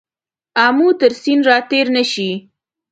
آمو تر سیند را تېر نه شې.